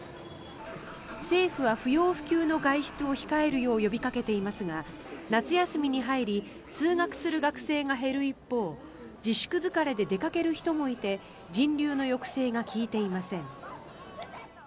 政府は不要不急の外出を控えるよう呼びかけていますが夏休みに入り通学する学生が減る一方自粛疲れで出かける人もいて人流の抑制が利いていません。